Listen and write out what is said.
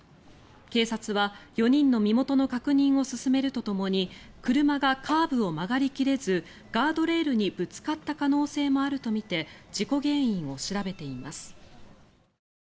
警察は４人の身元の確認を進めるとともに車がカーブを曲がり切れずガードレールにぶつかった可能性もあるとみて事故原因を調べています。